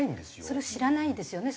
それを知らないですよね